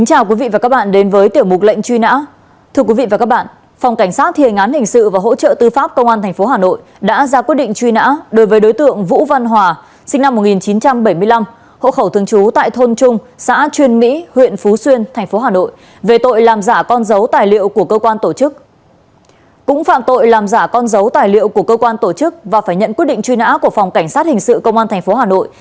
cũng phạm tội làm giả con dấu tài liệu của cơ quan tổ chức và phải nhận quyết định truy nã của phòng cảnh sát hình sự công an tp hà nội